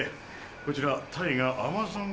こちら大河アマゾン